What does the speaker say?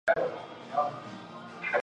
林果业比较发达。